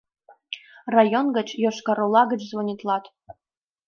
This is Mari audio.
— Район гыч, Йошкар-Ола гыч звонитлат.